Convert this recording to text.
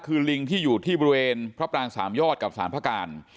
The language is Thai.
คือลิงที่อยู่ที่บริเวณพระปรางสามยอดกับสารพระการ